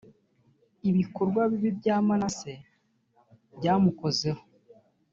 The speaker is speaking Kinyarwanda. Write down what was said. ibikorwa bibi bya manase byamukozeho.